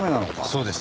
そうです。